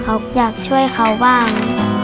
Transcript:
เขาอยากช่วยเขาบ้าง